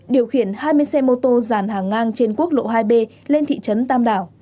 điều khiển hai mươi xe mô tô giàn hàng ngang trên quốc lộ hai b lên thị trấn tam đảo